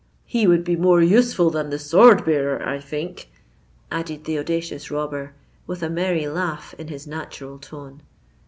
He would be more useful than the sword bearer, I think," added the audacious robber, with a merry laugh in his natural tone.